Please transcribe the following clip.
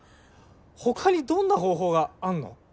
他にどんな方法があんの？